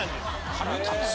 腹立つわ。